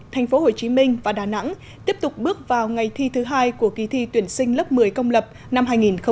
tp hcm và đà nẵng tiếp tục bước vào ngày thi thứ hai của kỳ thi tuyển sinh lớp một mươi công lập năm hai nghìn hai mươi